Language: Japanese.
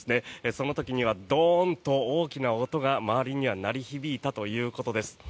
その時にはドーンと大きな音が周りには鳴り響いたということです。